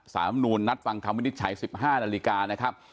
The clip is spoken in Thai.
มนูลนัดฟังคำวินิจฉัย๑๕นาฬิกานะครับ